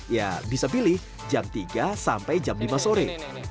ya bisa pilih jam tiga lima sore